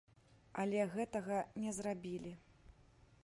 Але гэтага не зрабілі.